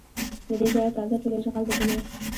له دې ځایه تازه ټول اشغال د بل و